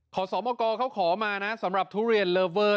ขอสมกรเขาขอมานะสำหรับทุเรียนเลอเวอร์